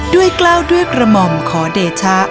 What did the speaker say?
กล้าวด้วยกระหม่อมขอเดชะ